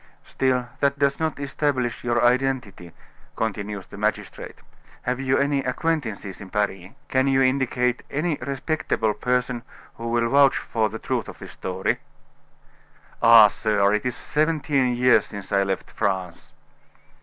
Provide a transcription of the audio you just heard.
"Still that does not establish your identity," continued the magistrate. "Have you any acquaintances in Paris? Can you indicate any respectable person who will vouch for the truth of this story?" "Ah! sir, it is seventeen years since I left France."